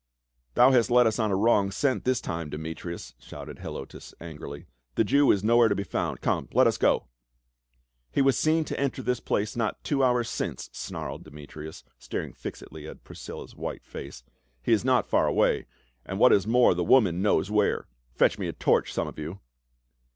" Thou hast led us on a wrong scent this time, De metrius," shouted Helotus angrily. " The Jew is nowhere to be found. Come, let us go !"" He was seen to enter this place not two hours since," snarled Demetrius, staring fixedly at Priscilla's white face. " He is not far away, and what is more the woman knows where. Fetch mc a torch, some of you."